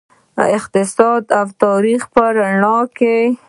د اقتصاد او تاریخ په رڼا کې.